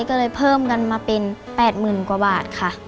ก็เลยเพิ่มกันมาเป็นแปดหมื่นกว่าบาทค่ะ